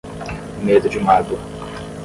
Medo de mágoa